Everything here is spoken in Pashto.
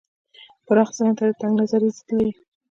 پراخ ذهن د تنگ نظرۍ ضد دی.